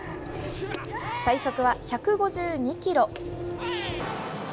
最速は１５２キロ。